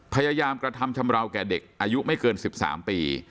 พยายามกระทำชำราวแก่เด็กอายุไม่เกิน๑๓ปี